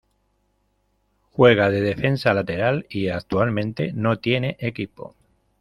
Juega de defensa lateral y actualmente no tiene equipo.